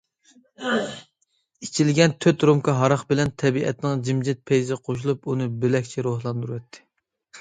ئىچىلگەن تۆت رومكا ھاراق بىلەن تەبىئەتنىڭ جىمجىت پەيزى قوشۇلۇپ ئۇنى بۆلەكچە روھلاندۇرۇۋەتتى.